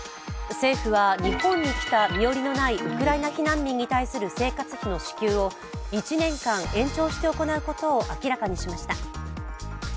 政府は日本に来た身寄りのないウクライナ避難民に対する生活費の支給を１年間延長して行うことを明らかにしました。